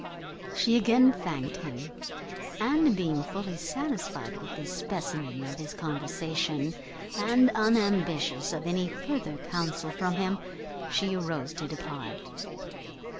She again thanked him; and, being fully satisfied with this specimen of his conversation, and unambitious of any further counsel from him, she arose to depart.